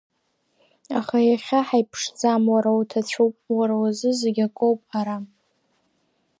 Аха иахьа ҳаиԥшӡам, уара уҭацәуп, уара узы зегьы акоуп, ара…